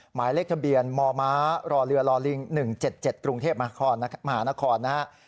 หมายเลขทะเบียนมมรเรือลอลิง๑๗๗กรุงเทพมหานครนะฮะ